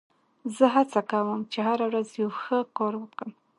زه هڅه کوم، چي هره ورځ یو ښه کار وکم.